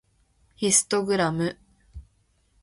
ヒストグラム